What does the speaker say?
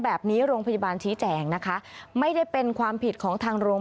พาพนักงานสอบสวนสนราชบุรณะพาพนักงานสอบสวนสนราชบุรณะ